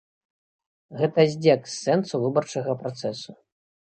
Гэта здзек з сэнсу выбарчага працэсу.